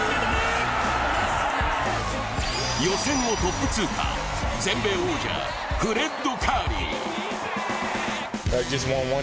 予選をトップ通過、全米王者、フレッド・カーリー。